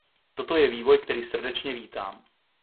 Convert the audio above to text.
Toto je vývoj, který srdečně vítám.